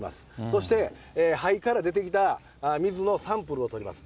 そして、肺から出てきた水のサンプルを採ります。